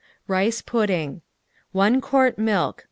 RICE PUDDING 1 quart milk.